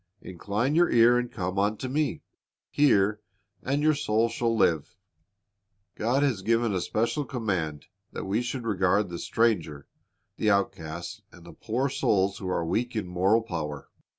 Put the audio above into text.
Incline your ear, and come unto Me: hear, and your soul shall live." ^ God has given a special command that we should regard the stranger, the outcast, and the poor souls who are weak in moral power.